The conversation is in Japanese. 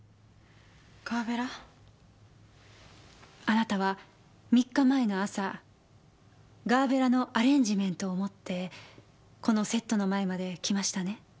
あなたは３日前の朝ガーベラのアレンジメントを持ってこのセットの前まで来ましたね？